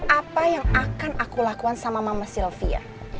apa yang akan aku lakukan sama mama sylvia